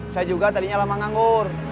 saya juga tadinya lama nganggur